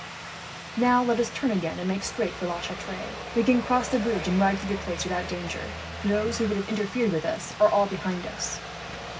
"Now turn again, and make straight for La Chatre," Philip said. "We can cross the bridge, and ride through the place without danger. Those who would have interfered with us are all behind us."